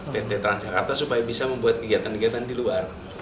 pt transjakarta supaya bisa membuat kegiatan kegiatan di luar